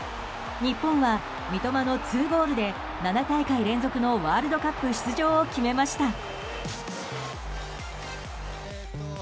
日本は三笘の２ゴールで７大会連続のワールドカップ出場を決めました。